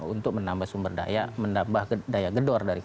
untuk menambah sumber daya menambah daya gedor dari kpk